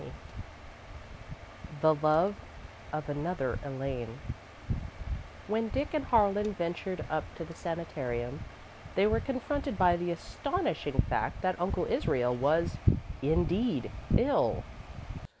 XX The Love of Another Elaine When Dick and Harlan ventured up to the sanitarium, they were confronted by the astonishing fact that Uncle Israel was, indeed, ill.